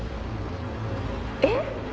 えっ？